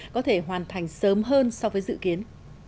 có thể hoàn thành sớm hơn so với dự kiến